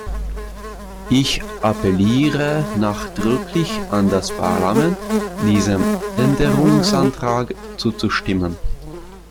Ich appelliere nachdrücklich an das Parlament, diesem Änderungsantrag zuzustimmen.